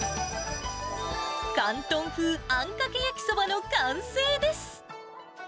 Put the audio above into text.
広東風あんかけ焼きそばの完成です。